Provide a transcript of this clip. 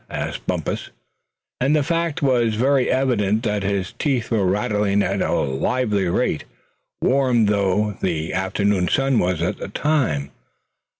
asked Bumpus, presently; and the fact was very evident that his teeth were rattling at a lively rate, warm though the afternoon sun was at the time.